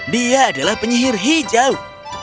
dia adalah penyihir hijau